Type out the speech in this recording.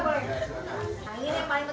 nah ini yang paling penting ya kalau langsung